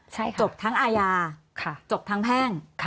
ใช่ค่ะจบทั้งอายาจบทั้งแพ่ง